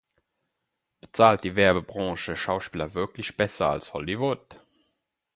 Bezahlt die Werbebranche Schauspieler wirklich besser als Hollywood?